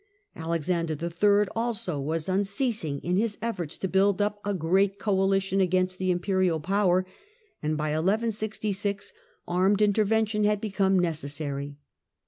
Alexander III., also, was un ceasing in his efforts to build up a great coalition against the imperial power, and by 1166 armed intervention had become necessary.